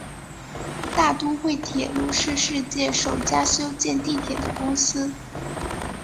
大都会铁路是世界首家修建地铁的公司。